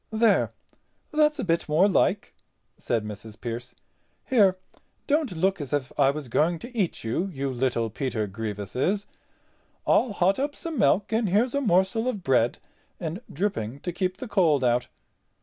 "There, that's a bit more like," said Mrs. Pearce; "here, don't look as if I was going to eat you, you little Peter Grievouses. I'll hot up some milk and here's a morsel of bread and dripping to keep the cold out.